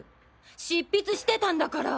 執筆してたんだから。